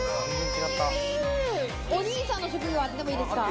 お兄さんの職業、当ててもいいですか？